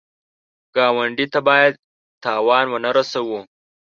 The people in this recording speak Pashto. ګاونډي ته باید زیان ونه رسوو